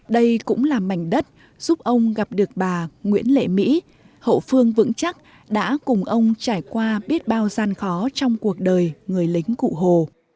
đây cũng là mảnh đất giúp ông gặp được bà nguyễn lệ mỹ hậu phương vững chắc đã cùng ông trải qua biết bao gian khó trong cuộc đời người lính cụ hồ